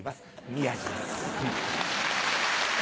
宮治です。